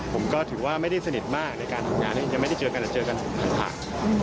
ผมก็ถือว่าไม่ได้สนิทมากในการทำงานยังไม่ได้เจอกันแต่เจอกันห่าง